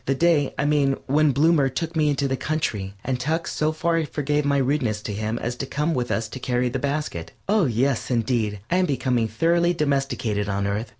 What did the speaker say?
The day, I mean, when Bloomer took me into the country, and Tuck so far forgave my rudeness to him as to come with us to carry the basket. Oh, yes, indeed, I am becoming thoroughly domesticated on Earth.